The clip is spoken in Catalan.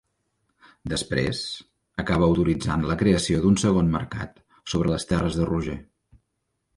Després, acaba autoritzant la creació d'un segon mercat sobre les terres de Roger.